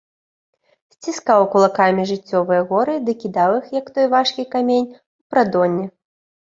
Сціскаў кулакамі жыццёвыя горы ды кідаў іх, як той важкі камень, у прадонне.